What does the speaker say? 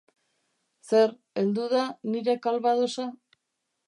Zer, heldu da, nire Calvadosa?